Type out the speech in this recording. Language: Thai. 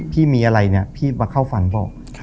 พี่มีอะไรพี่มาเข้าฝันบอก